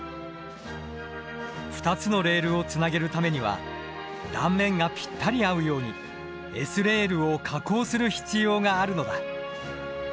２つのレールをつなげるためには断面がぴったり合うようにＳレールを加工する必要があるのだ。